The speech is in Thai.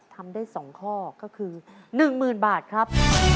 ทำได้๒ข้อก็คือ๑๐๐๐บาทครับ